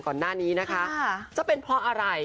ก่อนหน้านี้นะคะจะเป็นเพราะอะไร